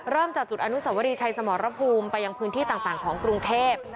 จากจุดอนุสวรีชัยสมรภูมิไปยังพื้นที่ต่างของกรุงเทพ